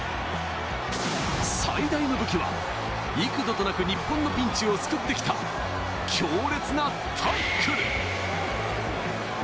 最大の武器は幾度となく日本のピンチを救ってきた強烈なタックル。